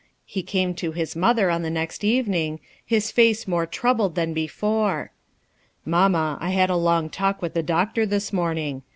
He came to his mother on the next evening his face more troubled than before, " Mamma, I had a long talk with the doctor this morning.